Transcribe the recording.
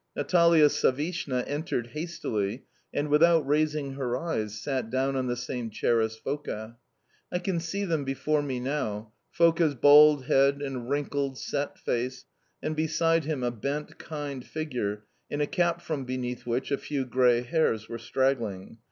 Natalia Savishna entered hastily, and, without raising her eyes, sat own on the same chair as Foka. I can see them before me now Foka's bald head and wrinkled, set face, and, beside him, a bent, kind figure in a cap from beneath which a few grey hairs were straggling.